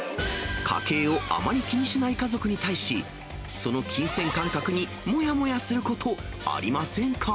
家計をあまり気にしない家族に対し、その金銭感覚にもやもやすることありませんか？